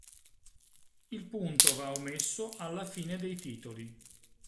Il punto va omesso alla fine dei titoli.